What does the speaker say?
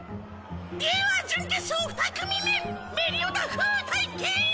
では準決勝二組目メリオダフ対ケイン！